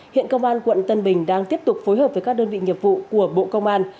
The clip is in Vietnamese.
hiện công an quận tân bình đang tiếp tục phối hợp với các đơn vị nghiệp vụ của bộ công an